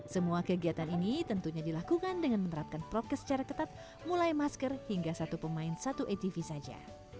semua kegiatan ini tentunya dilakukan dengan menerapkan prokes secara ketat mulai masker hingga satu pemain satu atv saja